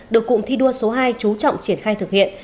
được cụm thi đua số hai chú trọng triển khai thực hiện